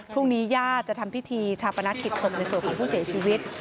ญาติจะทำพิธีชาปนกิจศพในส่วนของผู้เสียชีวิต